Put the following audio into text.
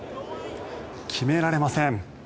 決められません。